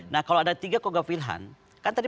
nah kalau ada tiga kogak wilhan kan tadi